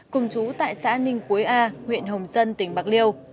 cùng chú tại xã ninh quế a huyện hồng dân tỉnh bạc liêu